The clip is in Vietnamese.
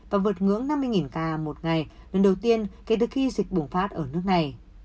và vượt ngưỡng năm mươi ca một ngày lần đầu tiên kể từ khi dịch bùng phát ở nước này